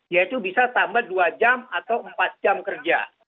yaitu bisa tambah dua jam atau empat jam kerja